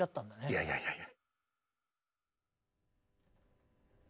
いやいやいやいや。